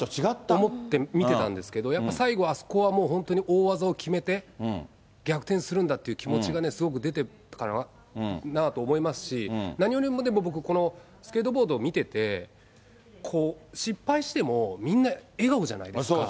思って見てたんですけど、やっぱり最後はあそこ大技を決めて、逆転するんだっていう気持ちがすごく出てたなと思いますし、何よりも僕、でもこのスケートボードを見てて、失敗しても、みんな笑顔じゃないですか。